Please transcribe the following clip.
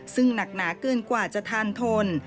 ซึ่งหนักหนาเกินกว่าจะทานทน